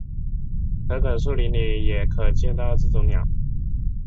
可可树林里也可见到这种鸟。